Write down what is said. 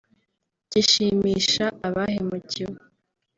gishimisha abahemukiwe